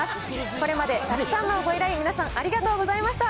これまでたくさんのご依頼、皆さんありがとうございました。